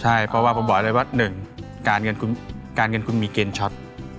ใช่เพราะว่าผมบอกเลยว่า๑การเงินคุณมีเกณฑ์ช็อต